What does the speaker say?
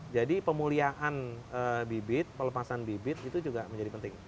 jadi pemuliakan bibit pelepasan bibit itu juga menjadi penting